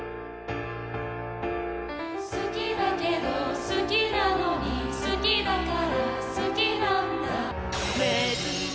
好きだけど好きなのに好きだから好きなんだ一緒に遊んでみてね